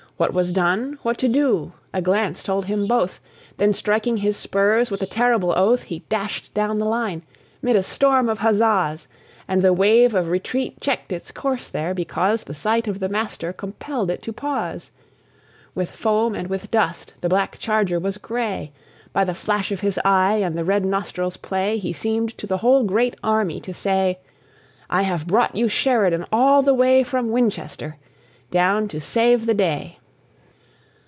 What was done what to do? A glance told him both, Then striking his spurs, with a terrible oath, He dashed down the line, mid a storm of huzzas, And the wave of retreat checked its course there, because The sight of the master compelled it to pause. With foam and with dust the black charger was gray; By the flash of his eye, and the red nostrils' play, He seemed to the whole great army to say: "I have brought you Sheridan all the way From Winchester down to save the day!"